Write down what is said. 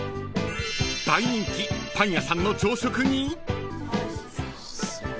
［大人気パン屋さんの朝食に］